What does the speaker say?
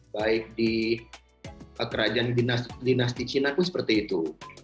baik di kerajaan dinasti cina pun seperti itu